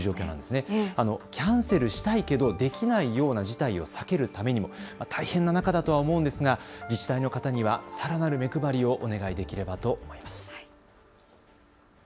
キャンセルしたいけどできないような事態を避けるためにも大変な中だと思うんですが自治体の方にはさらなる目配りをお願いできればと思います。